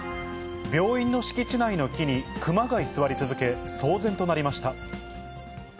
病院の敷地内の木にクマが居座り続け、騒然となりました。